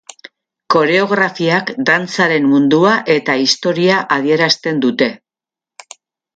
Koreografiak dantzaren mundua eta historia adierazten dute.